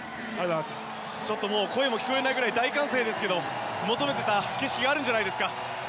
ちょっと声も聞こえないくらい大歓声ですが求めていた景色があるんじゃないですか？